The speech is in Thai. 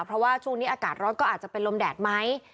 เพราะว่าอาจารย์ร้อนก็อาจจะเป็นรมแดดไหม